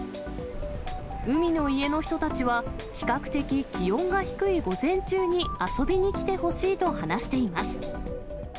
海の家の人たちは、比較的気温が低い午前中に遊びに来てほしいと話しています。